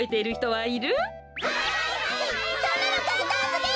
はい！